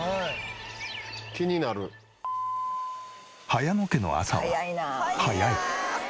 早野家の朝は早い。